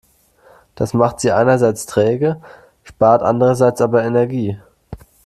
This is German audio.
Das macht sie einerseits träge, spart andererseits aber Energie.